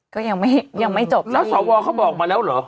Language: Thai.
ก็ยังไม่ยังไม่จบแล้วสวเขาบอกมาแล้วเหรอ